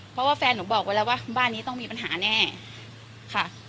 เพราะว่าแฟนหนูบอกไว้แล้วว่าบ้านนี้ต้องมีปัญหาแน่ค่ะ